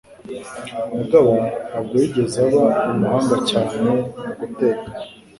Mugabo ntabwo yigeze aba umuhanga cyane mu guteka.